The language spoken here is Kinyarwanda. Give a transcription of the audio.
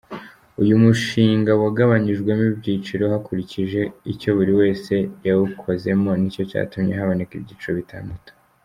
Uyu mushinga wagabanyijwemo ibyiciro, hakurikije icyo buri wese yawukozemo, nicyo cyatumye haboneka ibyiciro bitandatu.